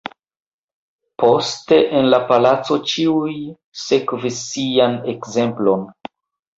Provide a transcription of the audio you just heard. Poste, en la palaco ĉiuj sekvis Sian ekzemplon.